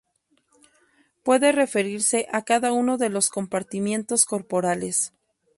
Puede referirse a cada uno de los compartimentos corporales.